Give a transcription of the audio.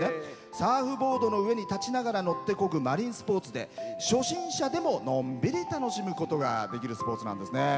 サーフボードの上に立ちながら乗ってこぐマリンスポーツで初心者でものんびり楽しむことができるスポーツなんですね。